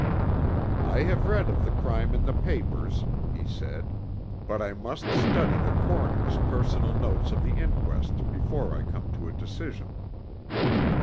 "I have read of the crime in the papers," he said, "but I must study the coroner's personal notes of the inquest, before I come to a decision."